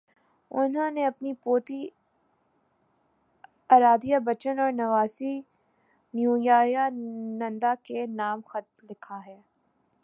انہوں نے اپنی پوتی ارادھیابچن اور نواسی نیویا ننداکے نام خط لکھا ہے۔